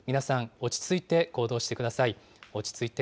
落ち着いて行動してください。